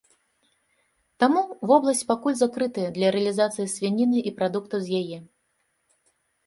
Таму вобласць пакуль закрытая для рэалізацыі свініны і прадуктаў з яе.